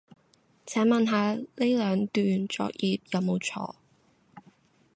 請問下呢兩段作業有冇錯